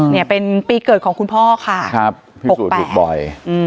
เนี่ยเป็นปีเกิดของคุณพ่อค่ะ๖๘พี่สู่ถูกบ่อย